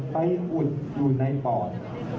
อุดอยู่ในปอด